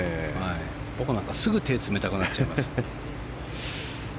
僕なんか、すぐ手が冷たくなっちゃいます。